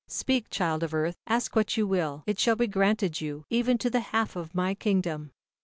"Speak, Child of Earth; ask what you will, it shall be granted you, even to the half of my kingdom."